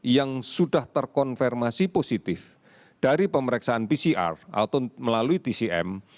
yang sudah terkonfirmasi positif dari pemeriksaan pcr atau melalui tcm